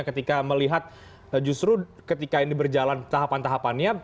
ketika melihat justru ketika ini berjalan tahapan tahapannya